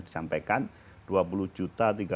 disampaikan dua puluh juta